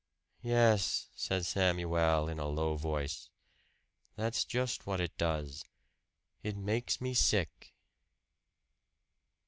"Yes," said Samuel in a low voice, "that's just what it does. It makes me sick!"